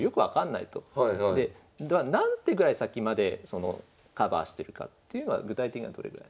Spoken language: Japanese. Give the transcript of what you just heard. では何手ぐらい先までカバーしてるかっていうのは具体的にはどれぐらい？